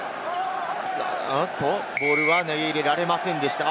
おっと、ボールは投げ入れられませんでした。